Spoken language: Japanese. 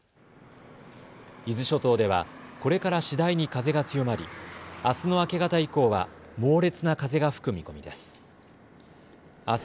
伊豆諸島ではこれから次第に風が強まりあすの明け方以降は猛烈な風が吹く見込みです。